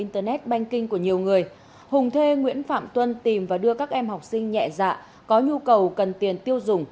trong thời gian trần văn hùng và nguyễn phạm tuân tìm và đưa các em học sinh nhẹ dạ có nhu cầu cần tiền tiêu dùng